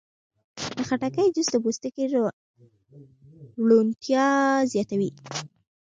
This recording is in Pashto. د خټکي جوس د پوستکي روڼتیا زیاتوي.